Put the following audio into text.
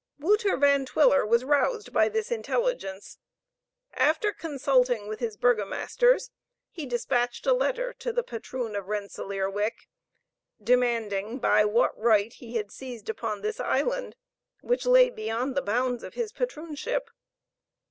Wouter Van Twiller was roused by this intelligence. After consulting with his burgomasters, he dispatched a letter to the patroon of Rensellaerwick, demanding by what right he had seized upon this island, which lay beyond the bounds of his patroonship.